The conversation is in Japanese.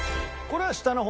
下の方。